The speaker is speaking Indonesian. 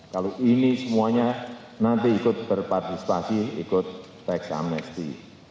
kalau ini semuanya nanti ikut berpartisipasi ikut teks amnesti